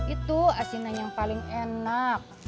itu asinan yang paling enak